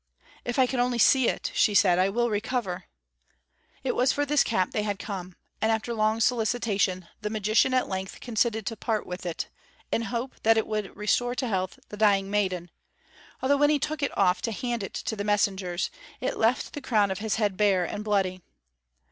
'If I can only see it,' she said, 'I will recover.' It was for this cap they had come, and after long solicitation the magician at length consented to part with it, in hope that it would restore to health the dying maiden, although when he took it off to hand it to the messengers it left the crown of his head bare and bloody.